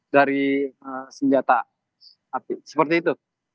dari senjata api seperti itu